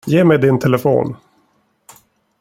Ge mig din telefon.